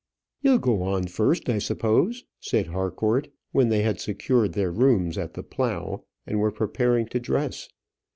"You'll go on first, I suppose?" said Harcourt, when they had secured their rooms at the "Plough," and were preparing to dress.